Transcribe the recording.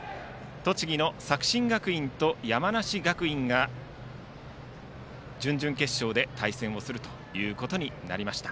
栃木の作新学院と山梨学院が準々決勝で対戦することになりました。